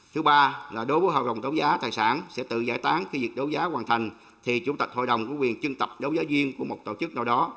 thứ ba là đối với hợp đồng đấu giá tài sản sẽ tự giải tán khi việc đấu giá hoàn thành thì chủ tịch hội đồng có quyền chưng tập đấu giá viên của một tổ chức nào đó